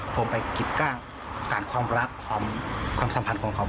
ผมไปกิดกล้างสารความรักความสัมพันธ์ของเขา